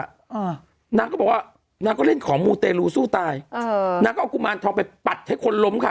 อ่านางก็บอกว่านางก็เล่นของมูเตรลูสู้ตายเออนางก็เอากุมารทองไปปัดให้คนล้มค่ะ